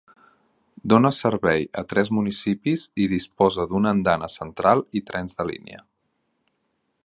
Dona servei a tres municipis i disposa d'una andana central i trens de línia.